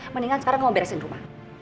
mendingan sekarang mau beresin rumah